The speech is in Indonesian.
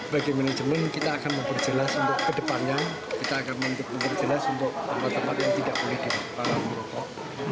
bagi manajemen kita akan memperjelas untuk kedepannya kita akan memperjelas untuk tempat tempat yang tidak boleh dilarang merokok